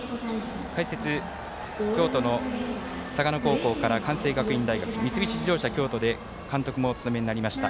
解説、京都の嵯峨野高校から関西学院大学三菱自動車京都で監督もお務めになりました